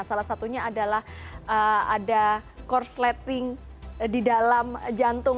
salah satunya adalah ada korsleting di dalam jantung